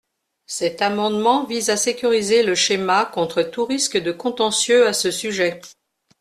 Cet amendement vise à sécuriser le schéma contre tout risque de contentieux à ce sujet.